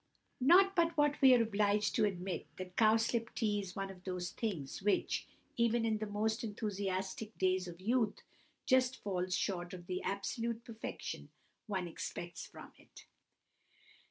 Not but what we are obliged to admit that cowslip tea is one of those things which, even in the most enthusiastic days of youth, just falls short of the absolute perfection one expects from it.